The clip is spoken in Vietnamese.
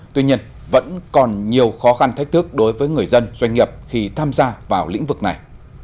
tuy nhiên vẫn còn nhiều khó khăn thách thức đối với người dân doanh nghiệp khi tham gia vào lĩnh vực này